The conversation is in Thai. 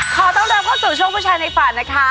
ขอต้อนรับเข้าสู่ช่วงผู้ชายในฝันนะคะ